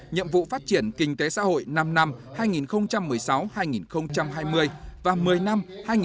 nhiệm vụ phát triển kinh tế xã hội năm năm hai nghìn một mươi sáu hai nghìn hai mươi và một mươi năm hai nghìn một mươi một hai nghìn hai mươi